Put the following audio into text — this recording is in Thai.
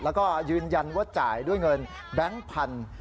แล้วก็ยืนยันว่าจ่ายด้วยเงินแบงค์พันธุ์